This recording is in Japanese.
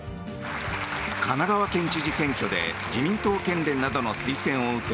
神奈川県知事選挙で自民党県連などの推薦を受け